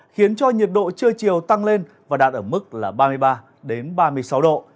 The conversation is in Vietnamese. khiến cho nhiệt độ trưa chiều tăng lên và đạt ở mức là ba mươi ba ba mươi sáu độ